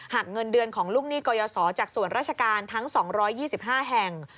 เงินเดือนของลูกหนี้กรยศจากส่วนราชการทั้ง๒๒๕แห่ง